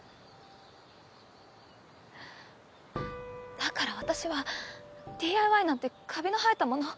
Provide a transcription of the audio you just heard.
だから私はＤＩＹなんてカビの生えたもの。